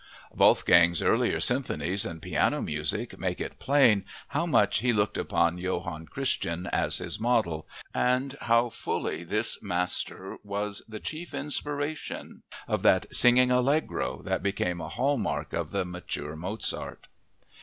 Wolfgang's early symphonies and piano music make it plain how much he looked upon Johann Christian as his model and how fully this master was the chief inspiration of that "singing allegro" that became a hallmark of the mature Mozart.